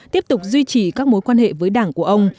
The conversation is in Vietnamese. tiếp tục duy trì các mối quan hệ với đảng của ông